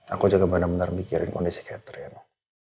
aku juga benar benar mikirin kondisi catherine